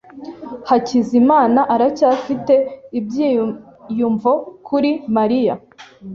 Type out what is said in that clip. Hakizimana aracyafite ibyiyumvo kuri Mariya.